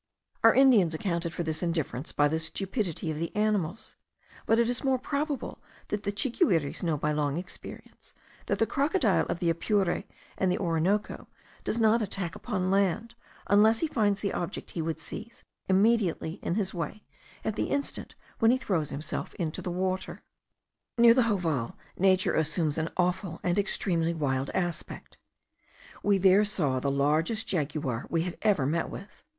Our Indians accounted for this indifference by the stupidity of the animals, but it is more probable that the chiguires know by long experience, that the crocodile of the Apure and the Orinoco does not attack upon land, unless he finds the object he would seize immediately in his way, at the instant when he throws himself into the water. Near the Joval nature assumes an awful and extremely wild aspect. We there saw the largest jaguar we had ever met with.